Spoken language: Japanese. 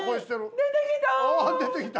出てきた。